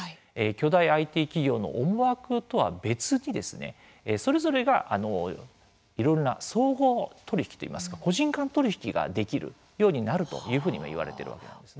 巨大ＩＴ企業の思惑とは別にそれぞれが、いろんな相互取り引きといいますか個人間取り引きができるようにもなるというふうに言われているわけなんです。